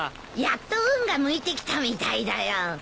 やっと運が向いてきたみたいだよ。